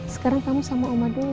sekarang kamu sama oma dulu